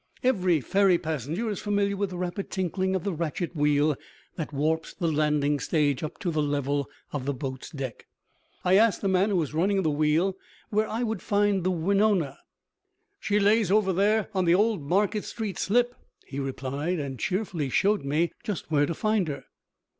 Every ferry passenger is familiar with the rapid tinkling of the ratchet wheel that warps the landing stage up to the level of the boat's deck. I asked the man who was running the wheel where I would find the Wenonah. "She lays over in the old Market Street slip," he replied, and cheerfully showed me just where to find her.